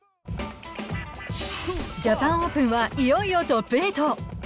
ジャパンオープンはいよいよトップ８。